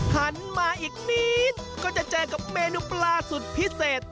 หันมาอีกนิดก็จะเจอกับเมนูปลาสุดพิเศษ